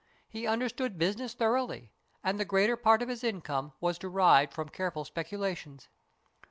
He understood business thoroughly, and the greater part of his income was derived from careful specu lations.